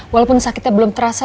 walaupun sakitnya belum terasa